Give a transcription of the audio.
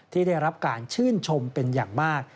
ที่ได้รับการชื่นชมเป็นอย่างมาก